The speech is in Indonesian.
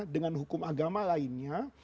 dengan hukum agama lainnya